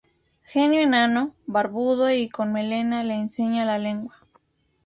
Genio enano, barbudo y con melena que enseña la lengua.